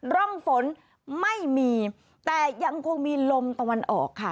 ร่องฝนไม่มีแต่ยังคงมีลมตะวันออกค่ะ